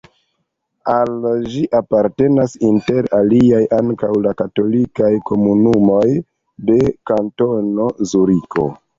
Al ĝi apartenas inter aliaj ankaŭ la katolikaj komunumoj de Kantono Zuriko.